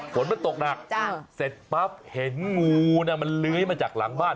ฝนมันตกหนักเสร็จปั๊บเห็นงูน่ะมันเลื้อยมาจากหลังบ้าน